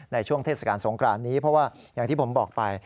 ในช่วงเทศกาลสงครานนี้เพราะว่าอย่างที่ผมบอกไป